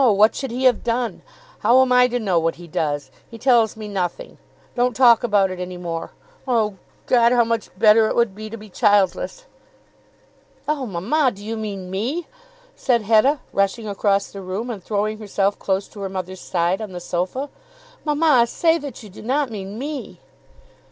What should he have done? How am I to know what he does? He tells me nothing. Don't talk about it any more. Oh, God, how much better it would be to be childless!" "Oh, mamma, do you mean me?" said Hetta, rushing across the room, and throwing herself close to her mother's side on the sofa. "Mamma, say that you do not mean me."